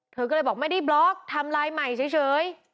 เธอก็เลยบอกไม่ได้บล็อกทำลายใหม่เฉย